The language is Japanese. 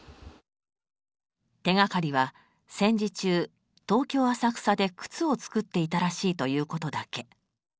手がかりは戦時中東京・浅草で靴を作っていたらしいということだけ。